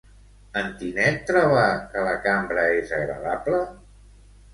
En Tinet troba que la cambra és agradable?